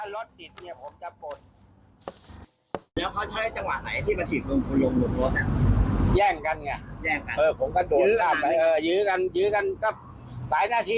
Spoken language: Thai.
ไม่ไหวครับมันมันผลักของผมก็ล้มหลังจากนั้นล่ะอ๋อ